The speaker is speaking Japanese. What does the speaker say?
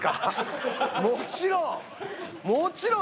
もちろん！